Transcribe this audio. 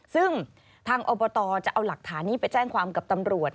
ซึ่งทางอบตจะเอาหลักฐานนี้ไปแจ้งความกับตำรวจ